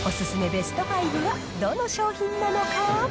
ベスト５はどの商品なのか？